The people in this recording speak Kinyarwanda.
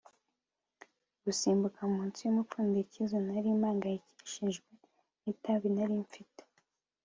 gusimbuka munsi yumupfundikizo. nari mpangayikishijwe n'itabi nari mfite